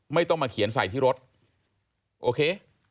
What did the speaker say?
ไม่ต้องมาเขียนใส่ที่รถโอเค